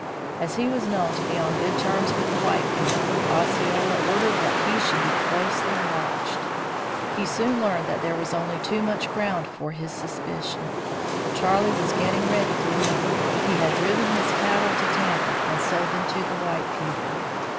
As he was known to be on good terms with the white people, Osceola ordered that he should be closely watched. He soon learned that there was only too much ground for his suspicion. Charley was getting ready to leave; he had driven his cattle to Tampa and sold them to the white people.